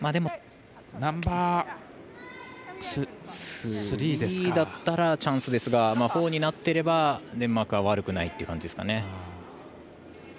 ナンバースリーだったらチャンスですがフォーになってればデンマークは悪くないっていう感じですかね。